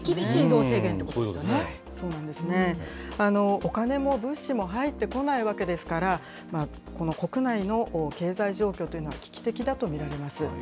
お金も物資も入ってこないわけですから、この国内の経済状況というのは、危機的だと見られます。